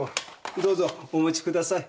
どうぞお持ちください。